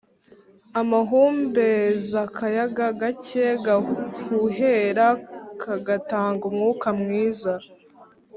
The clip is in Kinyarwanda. amahumbez akayaga gake gahuhera kagatanga umwuka mwiza,